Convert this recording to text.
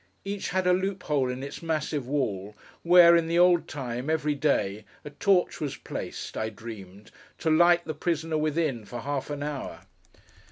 Each had a loop hole in its massive wall, where, in the old time, every day, a torch was placed—I dreamed—to light the prisoner within, for half an hour.